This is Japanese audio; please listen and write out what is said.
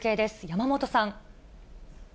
山本さん。